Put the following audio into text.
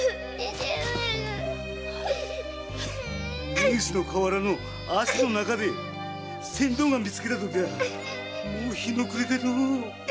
根岸の河原の葦の中で船頭が見つけたときにはもう日の暮れでのう。